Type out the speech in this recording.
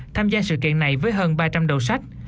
tham gia sự kiện này với hơn ba trăm linh đầu sách